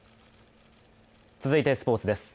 続いてスポーツです。